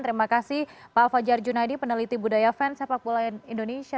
terima kasih pak fajar junaidi peneliti budaya fans sepak bola indonesia